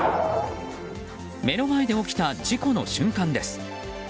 目の前で起きた事故の瞬間です。